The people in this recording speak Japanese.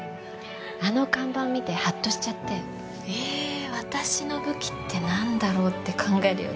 あの看板見てハッとしちゃってえ私の武器ってなんだろう？って考えるようになって。